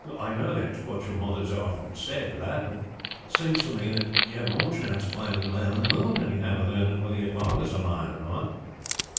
"I know that is what your mother has often said, lad, but it seems to me that you have more chance of finding the man in the moon than you have of learning whether your father is alive, or not."